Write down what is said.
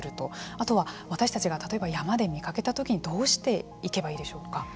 あとは私たちが例えば山で見かけた時にどうしていけばいいでしょうか。